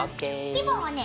リボンはね